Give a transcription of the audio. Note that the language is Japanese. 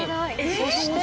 そして。